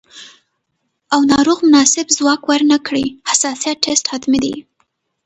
او ناروغ مناسب ځواب ورنکړي، حساسیت ټسټ حتمي دی.